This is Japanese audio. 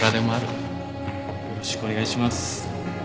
よろしくお願いします。